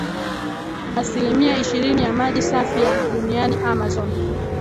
asilimia ishirini ya maji safi ya Duniani Amazon